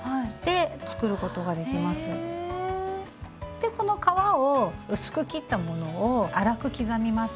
でこの皮を薄く切ったものを粗く刻みます。